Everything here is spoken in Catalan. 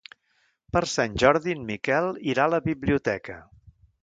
Per Sant Jordi en Miquel irà a la biblioteca.